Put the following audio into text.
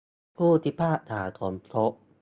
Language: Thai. ผู้พิพากษาสมทบ